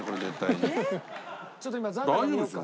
ちょっと今残高見ますか？